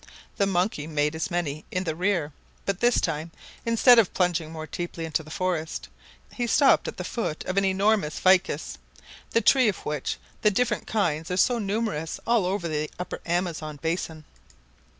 The monkey made as many in the rear, but this time, instead of plunging more deeply into the forest, he stopped at the foot of an enormous ficus the tree of which the different kinds are so numerous all over the Upper Amazon basin.